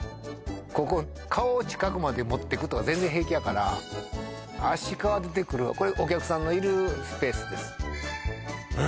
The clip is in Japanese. ここ顔を近くまでもってくとか全然平気やからアシカは出てくるわこれお客さんのいるスペースですえ